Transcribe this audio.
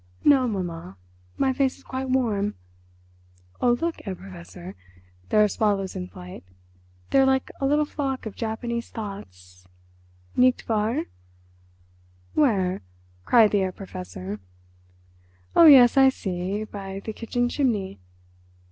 "No, mamma, my face is quite warm. Oh, look, Herr Professor, there are swallows in flight; they are like a little flock of Japanese thoughts—nicht wahr?" "Where?" cried the Herr Professor. "Oh yes, I see, by the kitchen chimney.